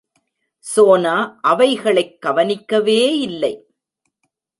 சோனா அவைகளைக் கவனிக்கவே இல்லே.